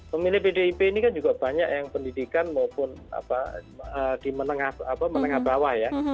pemilih bdip ini kan juga banyak yang pendidikan maupun apa di menengah apa menengah bawah ya